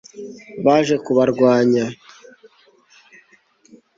baje kubarwanya